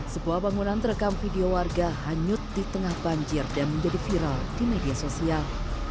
sebuah bangunan terekam video warga hanyut di tengah banjir dan menjadi viral di media sosial